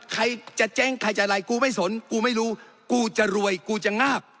ใครจะเจ๊งใครจะอะไรกูไม่สนกูไม่รู้กูจะรวยกูจะงาบ